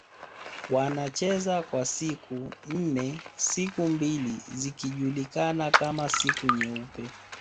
Wanacheza kwa siku nne siku mbili zikijulikana kama siku nyeupe